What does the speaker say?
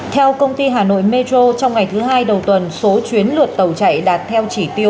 theo công ty hà nội metro trong ngày thứ hai đầu tuần số chuyến lượt tàu chạy đạt theo chỉ tiêu